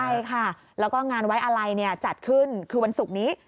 ใช่ค่ะแล้วก็งานไว้อะไรจัดขึ้นคือวันศุกร์นี้